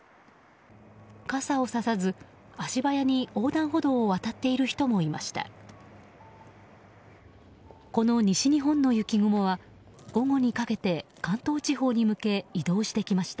傘をささず、足早に横断歩道を渡っている人もいました。